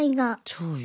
そうよ。